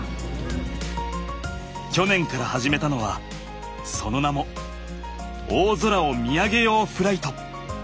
去年から始めたのはその名も「大空を見上げようフライト」。